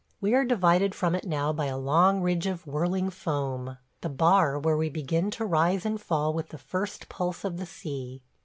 We are divided from it now by a long ridge of whirling foam – the bar, where we begin to rise and fall with the first pulse of the sea.